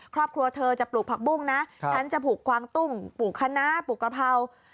ครอบครัวเธอจะปลูกผักบุ้งนะฉันจะผูกควางตุ้งปลูกคณะปลูกกะเพรา